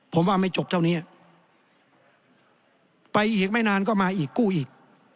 ผมว่าไม่จบเท่านี้ไปอีกไม่นานก็มาอีกกู้อีก